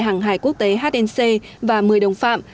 hàng hải quốc tế hnc và một mươi đồng phạm